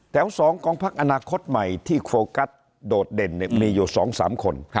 ๒ของพักอนาคตใหม่ที่โฟกัสโดดเด่นมีอยู่๒๓คน